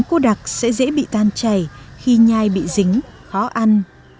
cô đặc sẽ dễ bị tan chảy khi nhai bị dính khó ăn